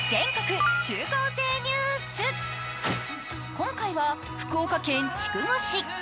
今回は福岡県筑後市。